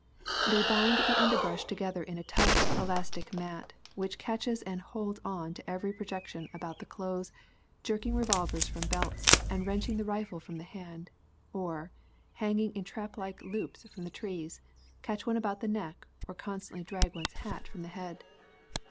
They bind the under brush together in a tough, elastic mat, which catches and holds on to every projection about the clothes, jerking revolvers from belts, and wrenching the rifle from the hand, or, hanging in trap like loops from the trees, catch one about the neck, or constantly drag one's hat from the head.